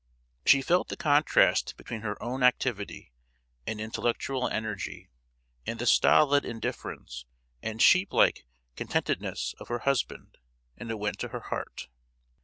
She felt the contrast between her own activity and intellectual energy, and the stolid indifference and sheep like contentedness of her husband, and it went to her heart!